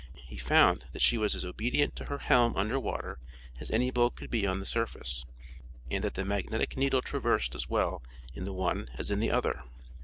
He found that she was as obedient to her helm under water, as any boat could be on the surface, and that the magnetic needle traversed as well in the one as in the other.